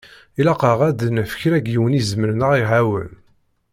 Ilaq-aɣ ad d-naf kra n yiwen i izemren ad ɣ-iɛawen.